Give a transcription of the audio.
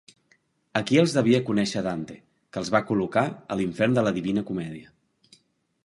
Aquí els devia conèixer Dante, que els va col·locar a l'Infern de la Divina Comèdia.